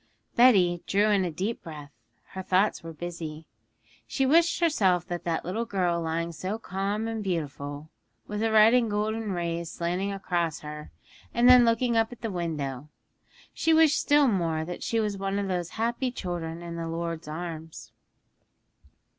_' Betty drew a deep breath; her thoughts were busy. She wished herself that little girl lying so calm and beautiful, with the red and golden rays slanting across her; and then looking up at the window, she wished still more that she was one of those happy children in the Lord's arms.